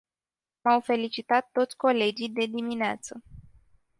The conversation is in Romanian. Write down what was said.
M-au felicitat toți colegii, de dimineață.